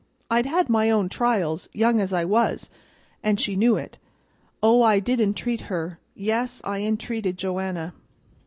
I'd had my own trials, young as I was, an' she knew it. Oh, I did entreat her; yes, I entreated Joanna."